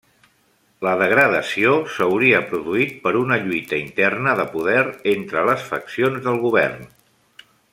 La degradació s'hauria produït per una lluita interna de poder entre les faccions del govern.